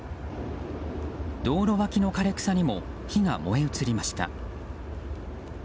道路脇の枯れ草にも火が燃え移りました。